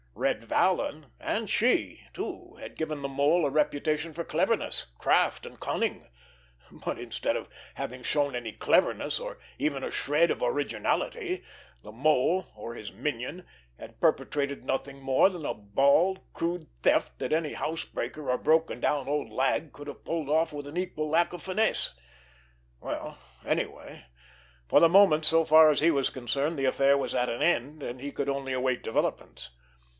Red Vallon—and she, too—had given the Mole a reputation for cleverness, craft and cunning; but, instead of having shown any cleverness, or even a shred of originality, the Mole, or his minion, had perpetrated nothing more than a bald, crude theft that any house breaker, or broken down old "lag" could have pulled off with equal lack of finesse! Well, anyway, for the moment so far as he was concerned, the affair was at an end, and he could only await developments.